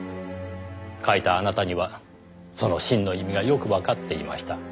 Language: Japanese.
書いたあなたにはその真の意味がよくわかっていました。